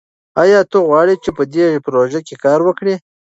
ایا ته غواړې چې په دې پروژه کې کار وکړې؟